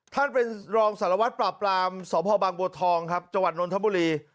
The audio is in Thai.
ท่านเป็นรองสารวัตรประปรามสบบทองจนธมบุรี